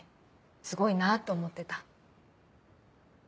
すごいなぁって思ってた。